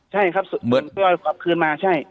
ใช่ครับทยอยกลับคืนมาใช่